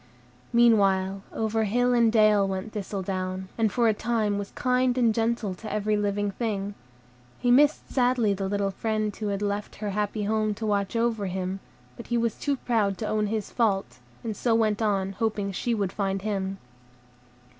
Meanwhile, over hill and dale went Thistledown, and for a time was kind and gentle to every living thing. He missed sadly the little friend who had left her happy home to watch over him, but he was too proud to own his fault, and so went on, hoping she would find him.